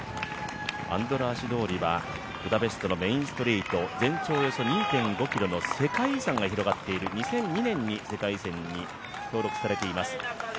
アンドラーシ通りはブダペストのメインストリート全長およそ２．５ｋｍの世界遺産が広がっている２００２年に世界遺産に登録されています。